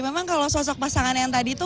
memang kalau sosok pasangan yang tadi itu